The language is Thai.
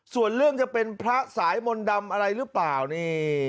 ส่วนเรื่องจะเป็นพระสายมนต์ดำอะไรหรือเปล่านี่